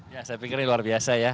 ya saya pikir ini luar biasa ya